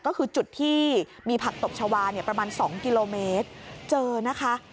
ก็คือจุดที่มีผักตบชาวาประมาณ๒กิโลเมตรเจอนะคะ